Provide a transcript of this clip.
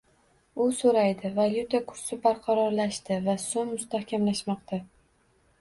U so'raydi: Valyuta kursi barqarorlashdi va so'm mustahkamlanmoqda